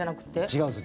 違うんです。